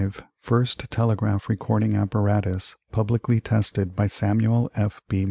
First telegraph recording apparatus publicly tested by Samuel F.B.